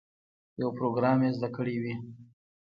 یو پروګرام یې زده کړی وي.